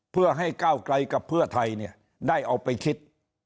เพื่อให้ก้าวไกลกับเพื่อไทยได้เอาไปคิด